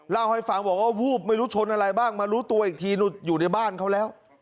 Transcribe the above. เล่าให้ฟังบอกว่าวูบไม่รู้ชนอะไรบ้างมารู้ตัวอีกทีอยู่ในบ้านเขาแล้ว